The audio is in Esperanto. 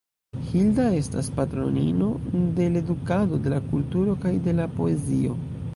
Hilda estas patronino de l’edukado, de la kulturo kaj de la poezio.